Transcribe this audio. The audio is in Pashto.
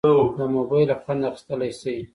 له موبایله خوند اخیستیلی شې.